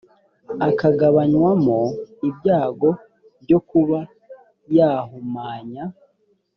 akagabanywamo ibyago byo kuba yahumanya